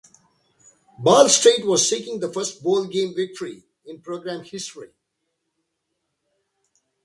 Ball State was seeking the first bowl game victory in program history.